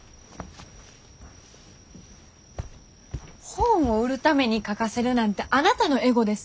本を売るために書かせるなんてあなたのエゴです。